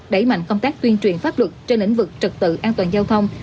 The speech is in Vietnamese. đẩy mạnh công tác tuyên truyền pháp luật trên lĩnh vực trật tự an toàn giao thông